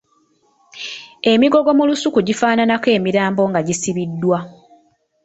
Emigogo mu lusuku gifaananako emirambo nga gisibiddwa.